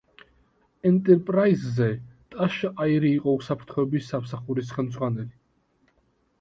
ენტერპრაიზზე ტაშა იარი იყო უსაფრთხოების სამსახურის ხელმძღვანელი.